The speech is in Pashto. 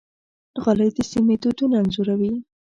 غالۍ د سیمې دودونه انځوروي.